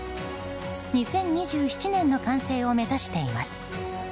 ２０２７年の完成を目指しています。